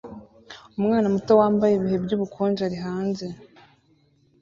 Umwana muto wambaye ibihe by'ubukonje ari hanze